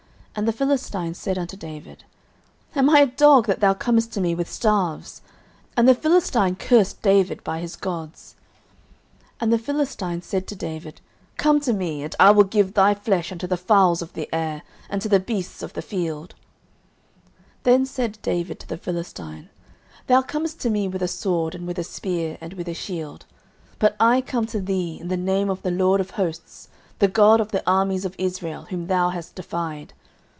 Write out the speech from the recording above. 09:017:043 And the Philistine said unto David, Am I a dog, that thou comest to me with staves? And the Philistine cursed David by his gods. 09:017:044 And the Philistine said to David, Come to me, and I will give thy flesh unto the fowls of the air, and to the beasts of the field. 09:017:045 Then said David to the Philistine, Thou comest to me with a sword, and with a spear, and with a shield: but I come to thee in the name of the LORD of hosts, the God of the armies of Israel, whom thou hast defied.